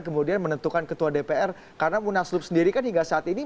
kemudian menentukan ketua dpr karena munaslup sendiri kan hingga saat ini